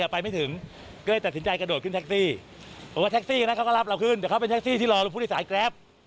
พี่แท็กซี่เดือดร้อนนะ